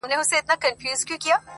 نجلۍ له شرمه پټه ساتل کيږي